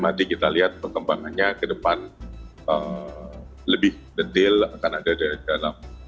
nanti kita lihat perkembangannya ke depan lebih detail